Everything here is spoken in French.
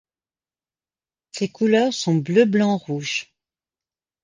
Ses couleurs sont bleu-blanc-rouge.